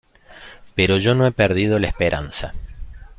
Pero yo no he perdido la esperanza.